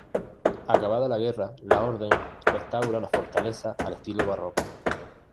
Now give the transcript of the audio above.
Acabada la guerra, la Orden restaura la fortaleza al estilo barroco.